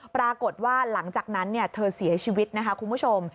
ปรากฏว่าหลังจากนั้นเธอเสียชีวิตนะคะคุณผู้ชม